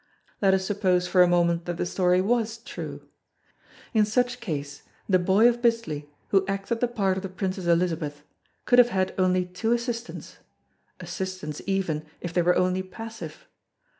Let us suppose for a moment that the story was true. In such case the Boy of Bisley who acted the part of the Princess Elizabeth could have had only two assistants assistants even if they were only passive.